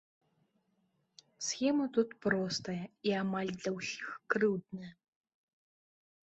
Схема тут простая, і амаль для ўсіх крыўдная.